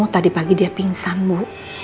tadi pagi dia pingsan bu